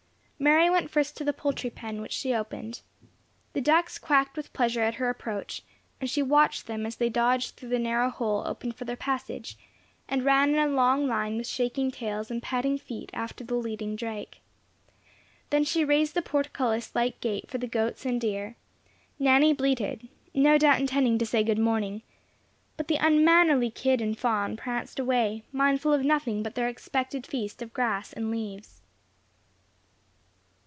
Mary went first to the poultry pen, which she opened. The ducks quacked with pleasure at her approach, and she watched them as they dodged through the narrow hole opened for their passage, and ran in a long line with shaking tails and patting feet after the leading drake. Then she raised the portcullis like gate for the goats and deer; Nanny bleated, no doubt intending to say "good morning," but the unmannerly kid and fawn pranced away, mindful of nothing but their expected feast of grass and leaves.